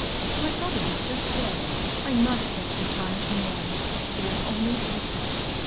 My brother is just dead. I must have some time to mourn. It is only decent."